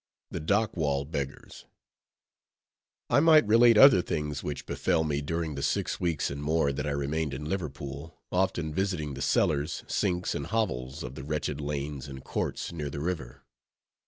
THE DOCK WALL BEGGARS I might relate other things which befell me during the six weeks and more that I remained in Liverpool, often visiting the cellars, sinks, and hovels of the wretched lanes and courts near the river.